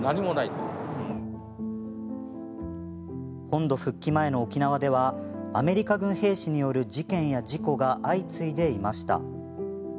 本土復帰前の沖縄ではアメリカ軍兵士による事件や事故が相次いでいました。